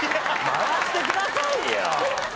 回してくださいよ。